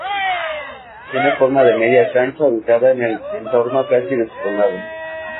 Tiene forma de media concha, ubicada en un entorno casi despoblado.